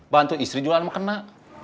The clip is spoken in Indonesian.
bantu istri jualan makanan